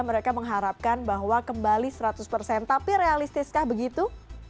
mereka mengharapkan bahwa kembali seratus tapi realistiskah begitu